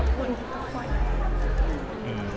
ขอบคุณทุกคน